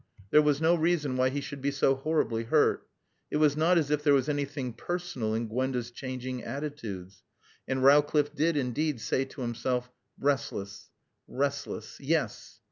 There was no reason why he should be so horribly hurt. It was not as if there was anything personal in Gwenda's changing attitudes. And Rowcliffe did indeed say to himself, Restless restless. Yes.